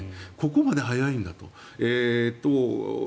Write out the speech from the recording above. ここまで早いんだと。